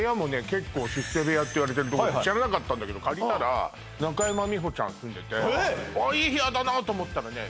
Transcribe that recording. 結構「出世部屋」っていわれてるとこで知らなかったんだけど借りたら中山美穂ちゃん住んでて「いい部屋だな」と思ったらね